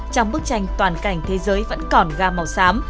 trong bức tranh toàn cảnh thế giới vẫn còn ra màu sắc